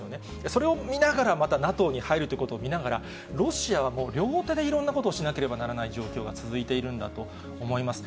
それを見ながら、またＮＡＴＯに入るということを見ながら、ロシアはもう、両手でいろんなことをしなければならない状況が続いているんだと思います。